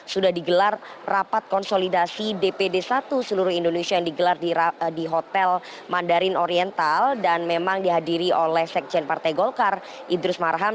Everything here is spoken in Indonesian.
sudah digelar rapat konsolidasi dpd satu seluruh indonesia yang digelar di hotel mandarin oriental dan memang dihadiri oleh sekjen partai golkar idrus marham